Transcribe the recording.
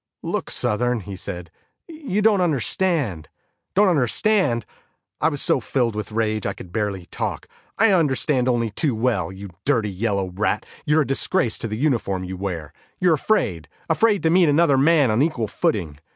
"Look, Southern," he said, "you don't understand." "Don't understand!" I was so filled with rage I could barely talk. "I understand only too well. You dirty yellow rat, you're a disgrace to the uniform you wear. You're afraid, afraid to meet another man on equal footing.